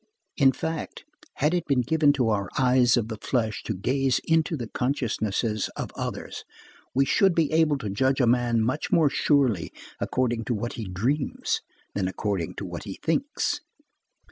In fact, had it been given to our eyes of the flesh to gaze into the consciences of others, we should be able to judge a man much more surely according to what he dreams, than according to what he thinks.